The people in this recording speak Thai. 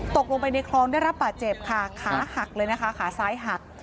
ตกลงไปในคลองได้รับบาดเจ็บค่ะขาหักเลยนะคะขาซ้ายหัก